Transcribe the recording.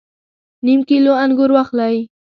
نیم کیلو انګور واخلئ